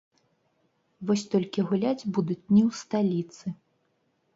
Вось толькі гуляць будуць не ў сталіцы.